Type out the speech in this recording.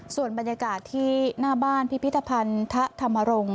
ส่วนบรรยากาศที่หน้าบ้านพิพิธภัณฑธรรมรงค์